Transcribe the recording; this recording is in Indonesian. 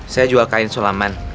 saya jual kain sulaman